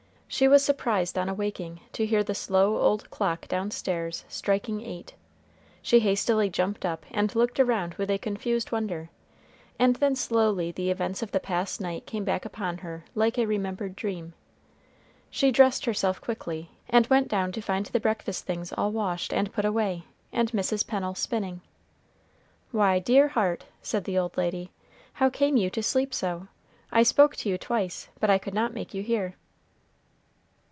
She was surprised on awaking to hear the slow old clock downstairs striking eight. She hastily jumped up and looked around with a confused wonder, and then slowly the events of the past night came back upon her like a remembered dream. She dressed herself quickly, and went down to find the breakfast things all washed and put away, and Mrs. Pennel spinning. "Why, dear heart," said the old lady, "how came you to sleep so? I spoke to you twice, but I could not make you hear."